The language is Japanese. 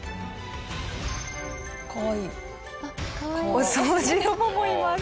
お掃除ロボもいます。